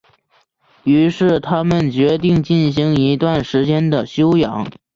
于是他们决定进行一段时间的休养。